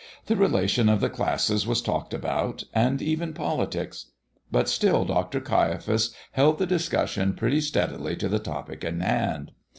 The relation of the classes was talked about, and even politics. But still Dr. Caiaphas held the discussion pretty steadily to the topic in hand.